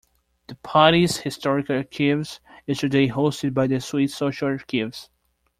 The party's historical archives is today hosted by the Swiss Social Archives.